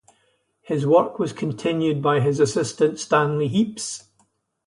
His work was continued by his assistant, Stanley Heaps.